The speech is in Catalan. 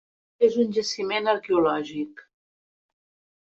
És un jaciment arqueològic.